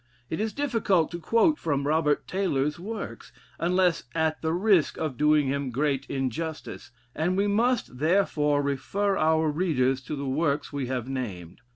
It is difficult to quote from Robert Taylor's works, unless at the risk of doing him great injustice, and we must therefore refer our readers to the works we have named.